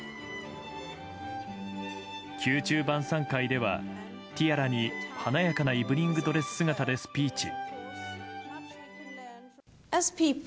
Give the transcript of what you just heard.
宮中晩さん会ではティアラに華やかなイブニングドレス姿でスピーチ。